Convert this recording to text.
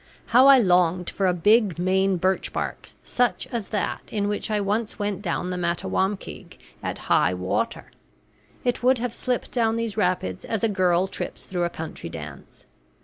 How I longed for a big Maine birch bark, such as that in which I once went down the Mattawamkeag at high water! It would have slipped down these rapids as a girl trips through a country dance.